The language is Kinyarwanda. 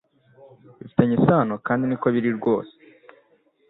bifitanye isano kandi niko biri rwose